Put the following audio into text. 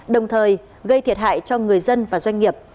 đồng thời gây thiệt hại cho người dân và doanh nghiệp